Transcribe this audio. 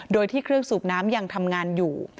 โดยที่เครื่องสูบน้ำยังทำงานอยู่